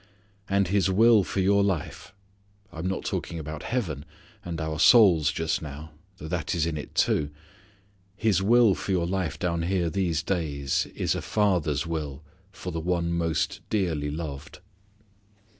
And His will for your life I am not talking about heaven, and our souls just now, that is in it too His will for your life down here these days is a father's will for the one most dearly loved.